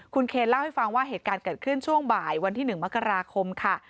คุณเคนเล่าให้ฟังว่าเหตุการณ์เกิดขึ้นช่วงบ่ายวันที่๑มกราคมค่ะ